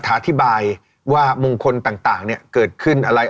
อธิบายว่ามงคลต่างเนี่ยเกิดขึ้นอะไร